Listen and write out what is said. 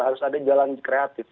harus ada jalan kreatif